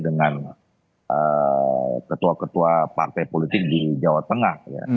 dengan ketua ketua partai politik di jawa tengah